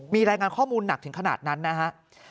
มีรายงานข้อมูลหนักถึงขนาดนั้นนะฮะ